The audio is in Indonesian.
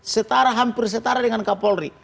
setara hampir setara dengan kak polri